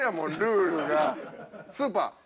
スーパー。